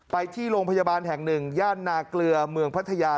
ไปที่โรงพยาบาลแห่งหนึ่งย่านนาเกลือเมืองพัทยา